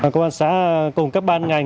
công an xã cùng các ban ngành